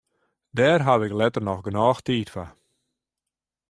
Dêr haw ik letter noch genôch tiid foar.